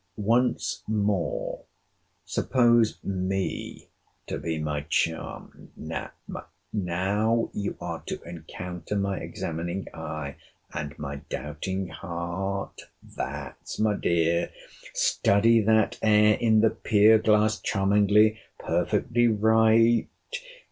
Once more, suppose me to be my charmer.—Now you are to encounter my examining eye, and my doubting heart— That's my dear! Study that air in the pier glass!— Charmingly!—Perfectly right!